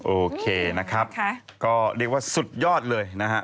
โอเคนะครับก็เรียกว่าสุดยอดเลยนะฮะ